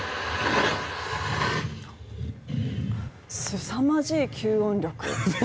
すさまじい吸音力。